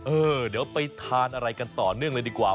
เออเดี๋ยวไปทานอะไรกันต่อเนื่องเลยดีกว่า